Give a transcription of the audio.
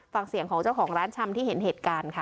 ฟังเสียงของเจ้าของร้านชำที่เห็นเหตุการณ์ค่ะ